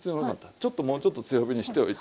ちょっともうちょっと強火にしておいて。